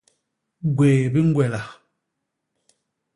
Gwéé bi ñgwela.